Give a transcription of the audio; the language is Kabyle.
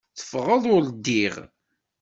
Teffɣeḍ ur ddiɣ.